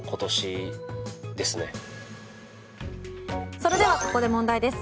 それでは、ここで問題です。